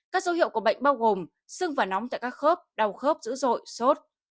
các dấu hiệu của bệnh bao gồm xương và nóng tại các khớp đau khớp dữ dội sốt